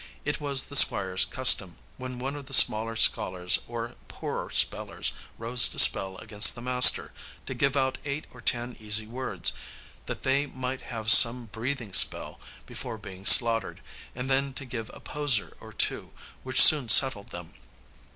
It was the Squire's custom, when one of the smaller scholars or poorer spellers rose to spell against the master, to give out eight or ten easy words, that they might have some breathing spell before being slaughtered, and then to give a poser or two which soon settled them.